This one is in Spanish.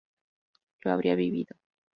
yo habría vivido